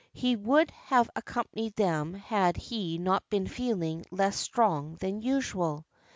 He would have accompanied them had he not been feehng less strong than usual.